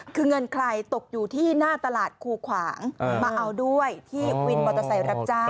คือเงินใครตกอยู่ที่หน้าตลาดคูขวางมาเอาด้วยที่วินมอเตอร์ไซค์รับจ้าง